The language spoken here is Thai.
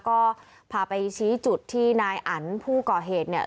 ก็พาไปชี้จุดที่นายอันผู้ก่อเหตุเนี่ย